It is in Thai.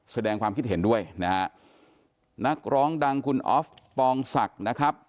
แสดงความคิดเห็นด้วยนะฮะนักร้องดังคุณออฟปองศักดิ์นะครับ